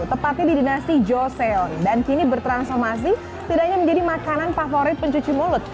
tepatnya di dinasti joseon dan kini bertransformasi tidak hanya menjadi makanan favorit pencuci mulut